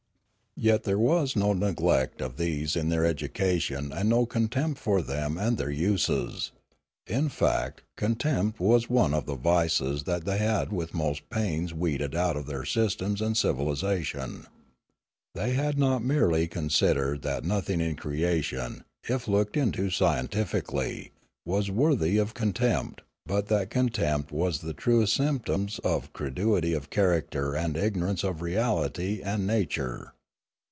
Yet there was no neglect of these in their education and no contempt for them and their uses; in fact con 260 Limanora tempt was one of the vices that they had with most pains weeded out of their systems and civilisation. They had not merely considered that nothing in crea tion, if looked into scientifically, was worthy of con tempt, but that contempt was the truest symptom of crudity of character and ignorance of reality and na ture.